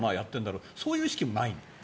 そういう意識もないんですか。